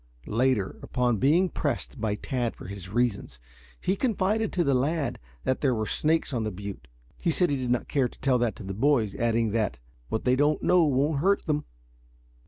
Later, upon being pressed by Tad for his reasons, he confided to the lad that there were snakes on the butte. He said he did not care to tell that to the boys, adding that "what they don't know won't hurt them."